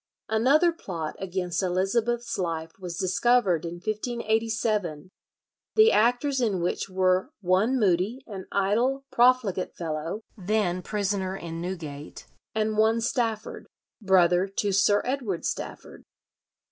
Another plot against Elizabeth's life was discovered in 1587, the actors in which were "one Moody, an idle, profligate fellow, then prisoner in Newgate, and one Stafford, brother to Sir Edward Stafford."